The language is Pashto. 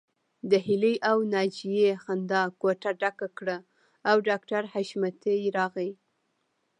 د هيلې او ناجيې خندا کوټه ډکه کړه او ډاکټر حشمتي راغی